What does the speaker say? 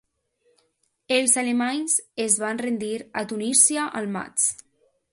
Els alemanys es van rendir a Tunísia al maig.